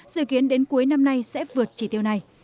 dự kiến đến cuối năm nay sẽ vượt chỉ tiêu này